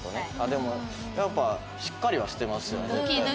でもやっぱしっかりはしてますよね。